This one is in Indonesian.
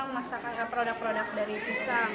banyak sekali senang masakan produk produk dari pisang